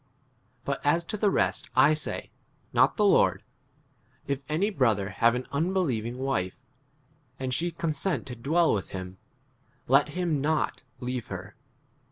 But as to the rest I say, not the Lord, If any brother have an unbelieving wife, and she consent to dwell with 13 him, let him not leave her.